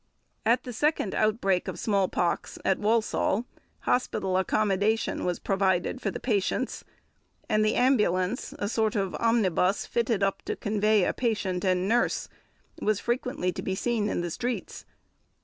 At the second outbreak of small pox at Walsall, hospital accommodation was provided for the patients; and the ambulance, a sort of omnibus fitted up to convey a patient and nurse, was frequently to be seen in the streets.